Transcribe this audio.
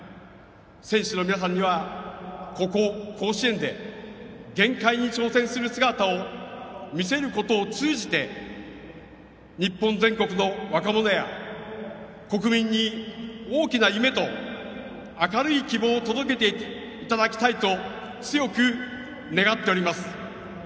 選手の皆さんにはここ、甲子園で限界に挑戦する姿を見せることを通じて日本全国の若者や国民に大きな夢と明るい希望を届けていただきたいと強く願っております。